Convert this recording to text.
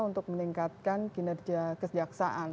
untuk meningkatkan kinerja kejaksaan